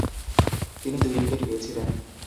তিনি দুই উইকেট পেয়েছিলেন।